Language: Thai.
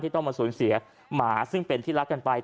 ต้องมาสูญเสียหมาซึ่งเป็นที่รักกันไป